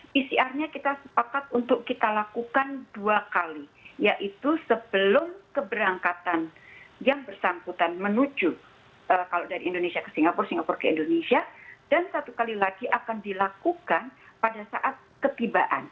pcr nya kita sepakat untuk kita lakukan dua kali yaitu sebelum keberangkatan yang bersangkutan menuju kalau dari indonesia ke singapura singapura ke indonesia dan satu kali lagi akan dilakukan pada saat ketibaan